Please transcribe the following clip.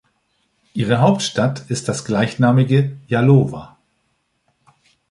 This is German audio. Ihre Hauptstadt ist das gleichnamige Yalova.